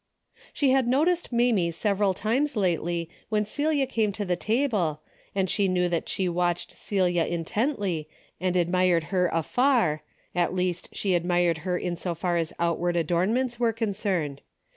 She had noticed Mamie several times lately when Celia came to the table, and she knew that she watched Celia intently and admired her afar, at least she admired her in so far as outward adornments were concerned.